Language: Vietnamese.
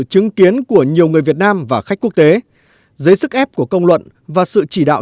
chứng kiến của nhiều người việt nam và khách quốc tế dưới sức ép của công luận và sự chỉ đạo